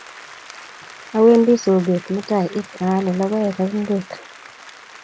Awendi soget mutai ipaale logoek ak ingwek